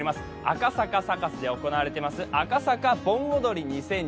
赤坂サカスで行われています赤坂盆踊り２０２２。